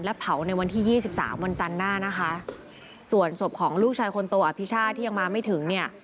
เผาในวันที่ยี่สิบสามวันจันทร์หน้านะคะส่วนศพของลูกชายคนโตอภิชาติที่ยังมาไม่ถึงเนี่ย